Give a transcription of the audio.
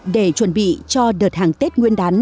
để chuẩn bị cho đợt hàng tết nguyên đán